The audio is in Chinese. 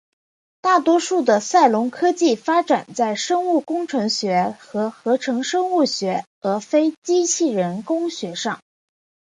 大多数的赛隆科技发展在生物工程学和合成生物学而非机器人工学上。